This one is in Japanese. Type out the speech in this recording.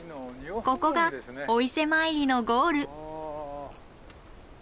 ここがお伊勢参りのゴール。